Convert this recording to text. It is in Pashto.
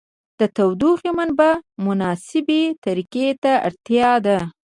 د تودوخې منبع او مناسبې طریقې ته اړتیا ده.